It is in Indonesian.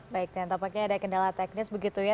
baik dan tampaknya ada kendala teknis begitu ya